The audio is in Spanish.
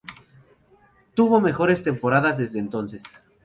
Tuvo mejores temporadas desde entonces.